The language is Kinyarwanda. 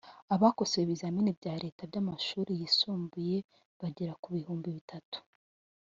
Abakosoye ibizamini bya Leta by’Amashuri yisumbuye bagera ku bihumbi bitatu